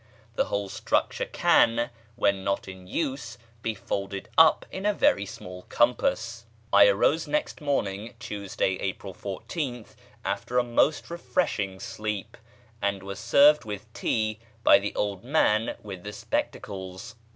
The whole structure can, when not in use, be folded up into a very small compass. I arose next morning (Tuesday, April 14th) after a most refreshing sleep, and was served with tea by the old man with the spectacles.